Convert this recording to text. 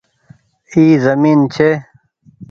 اي زمين ڇي۔